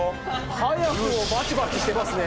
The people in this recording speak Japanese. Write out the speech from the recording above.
早くもバチバチしてますね。